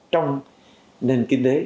trong nền kinh tế